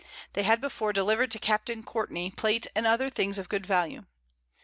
They had before deliver'd to Capt. Courtney Plate and other things of good Value.